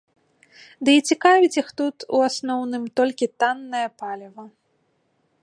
Ды і цікавіць іх тут, у асноўным, толькі таннае паліва.